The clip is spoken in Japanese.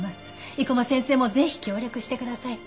生駒先生もぜひ協力してください。